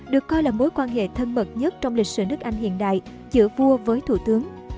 được coi là mối quan hệ thân mật nhất trong lịch sử nước anh hiện đại giữa vua với thủ tướng